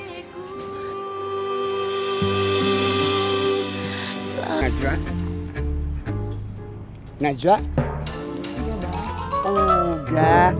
b enabled warisan pada melewati pintu telinga loya